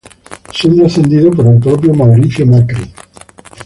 Siendo ascendido por el propio Mauricio Macri.